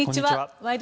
「ワイド！